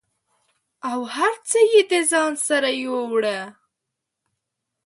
او هر څه یې د ځان سره یووړه